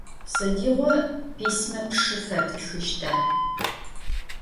Sıdiğo pisme pşşı feptxışta?